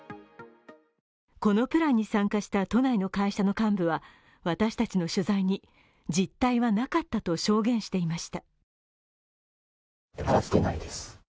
このプランに参加した都内の会社の幹部は私たちの取材に実態はなかったと証言していました。